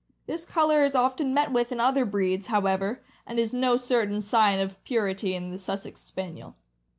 This color is often met with in other breeds, however, and is no certain sign of purity in the Sussex Spaniel.